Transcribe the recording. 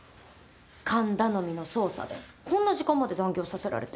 勘頼みの捜査でこんな時間まで残業させられて。